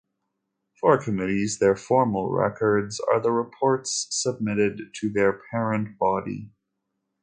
For committees, their formal records are the reports submitted to their parent body.